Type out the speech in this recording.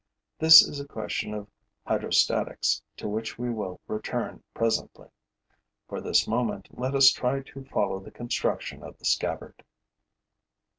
This is a question of hydrostatics to which we will return presently. For the moment, let us try to follow the construction of the scabbard.